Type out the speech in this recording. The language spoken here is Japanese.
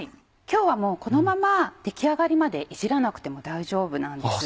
今日はもうこのまま出来上がりまでいじらなくても大丈夫なんです。